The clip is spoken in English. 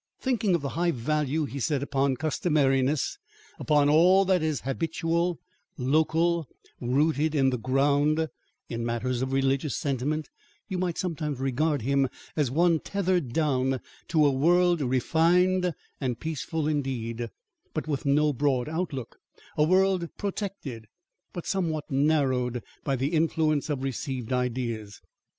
Thinking of the high value he set upon customariness, upon all that is habitual, local, rooted in the ground, in matters of religious sentiment, you might sometimes regard him as one tethered down to a world, refined and peaceful indeed, but with no broad outlook, a world protected, but somewhat narrowed, by the influence of received ideas.